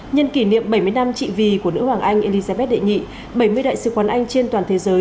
nhân kỷ niệm bảy mươi năm trị vì của nữ hoàng anh elizabeth đệ nhị bảy mươi đại sứ quán anh trên toàn thế giới